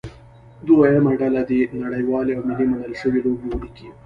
دویمه ډله دې نړیوالې او ملي منل شوې لوبې ولیکي.